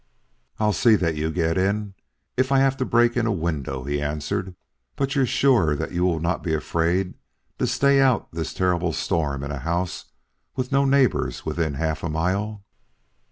"I'll see that you get in, if I have to break in a window," he answered. "But you're sure that you will not be afraid to stay out this terrible storm in a house with no neighbors within half a mile?"